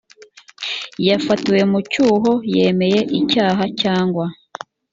yafatiwe mu cyuho yemeye icyaha cyangwa